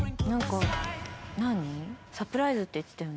サプライズって言ってたよね。